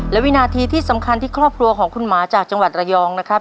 และวินาทีที่สำคัญที่ครอบครัวของคุณหมาจากจังหวัดระยองนะครับ